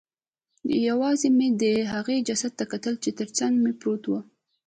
یوازې مې د هغې جسد ته کتل چې ترڅنګ مې پروت و